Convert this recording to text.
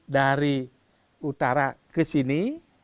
dari utara ke sini